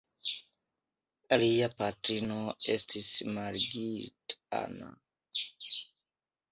Lia patrino estis Margit Anna.